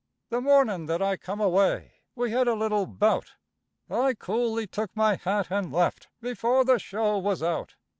The mornin' that I come away, we had a little bout; I coolly took my hat and left, before the show was out.